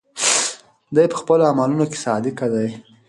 دی په خپلو عملونو کې صادق دی.